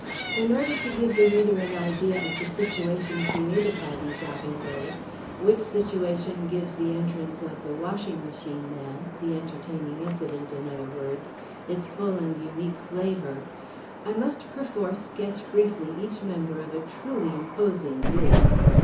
In order to give the reader an idea of the situation created by these arrivés, which situation gives the entrance of the Washing Machine Man—the entertaining incident, in other words—its full and unique flavour, I must perforce sketch briefly each member of a truly imposing group.